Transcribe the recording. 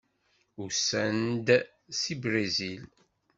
Usan-d seg Brizil.